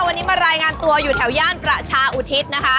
วันนี้มารายงานตัวอยู่แถวย่านประชาอุทิศนะคะ